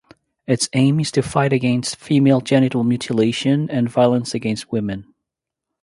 Its aim is to fight against female genital mutilation and violence against women.